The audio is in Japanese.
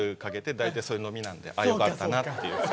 大体飲みなんであよかったなっていう。